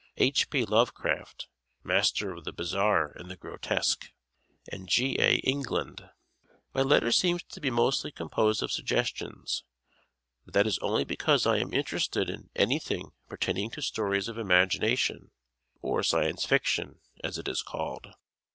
H. P. Lovecraft (master of the bizarre and the grotesque) and G. A. England. My letter seems to be mostly composed of suggestions, but that is only because I am interested in anything pertaining to stories of imagination, or Science Fiction, as it is called.